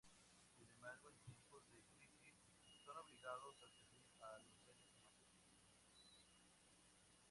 Sin embargo, en tiempos de crisis, son obligados a servir a los seres humanos.